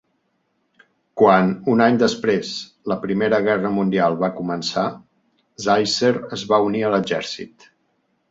Quan, un any després, la primera guerra mundial va començar, Zaisser es va unir a l'exèrcit.